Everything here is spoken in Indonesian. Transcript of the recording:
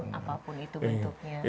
apapun itu bentuknya